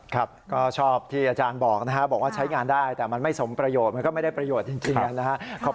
ครับก็ชอบที่อาจารย์บอกนะครับบอกว่าใช้งานได้แต่มันไม่สมประโยชน์มันก็ไม่ได้ประโยชน์จริงนะครับ